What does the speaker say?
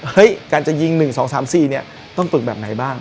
เฮ้ยการจะยิง๑๒๓๔ต้องฝึกแบบไหนบ้าง